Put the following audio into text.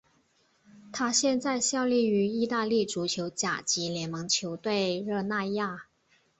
他现在效力于意大利足球甲级联赛球队热那亚。